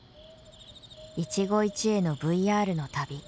一期一会のＶＲの旅。